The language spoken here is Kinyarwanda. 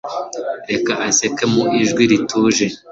Rere aseka mu ijwi rituje,